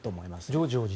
ジョージ王子